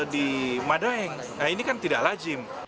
di madaeng nah ini kan tidak lazim